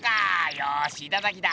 よしいただきだ！